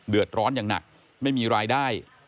เดือดร้อนอย่างหนักไม่มีรายได้